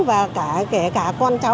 và cả con cháu